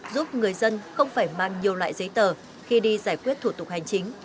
giúp người dân không phải mang nhiều loại giấy tờ khi đi giải quyết thủ tục hành chính